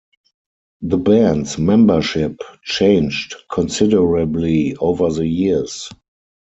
The band's membership changed considerably over the years.